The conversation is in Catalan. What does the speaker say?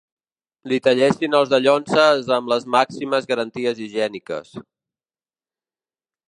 Li talléssim els dallonses amb les màximes garanties higièniques.